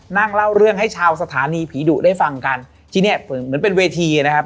นั่งเล่าเรื่องให้ชาวสถานีผีดุได้ฟังกันที่เนี้ยเหมือนเป็นเวทีนะครับ